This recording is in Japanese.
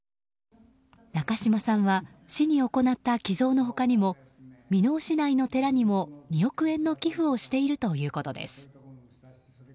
中嶋さんは市に行った寄贈の他にも箕面市内の寺にも２億円の寄付をしているということです。